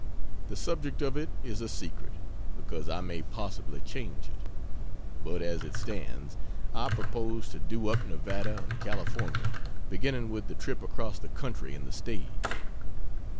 The subject of it is a secret, because I may possibly change it. But as it stands, I propose to do up Nevada and Cal., beginning with the trip across the country in the stage.